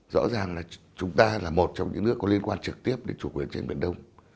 rõ ràng là chúng ta là một trong những nước có liên quan trực tiếp đến chủ quyền trên biển đông